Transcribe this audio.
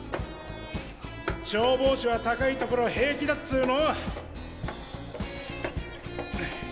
消防士は高い所平気だっつの！